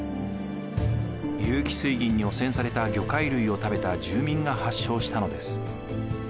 有機水銀に汚染された魚介類を食べた住民が発症したのです。